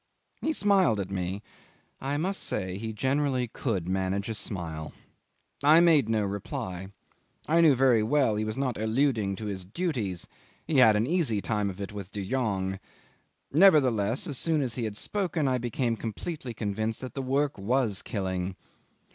'He smiled at me; I must say he generally could manage a smile. I made no reply. I knew very well he was not alluding to his duties; he had an easy time of it with De Jongh. Nevertheless, as soon as he had spoken I became completely convinced that the work was killing.